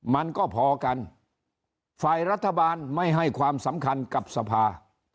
มันก็พอกันฝ่ายรัฐบาลไม่ให้ความสำคัญกับสภา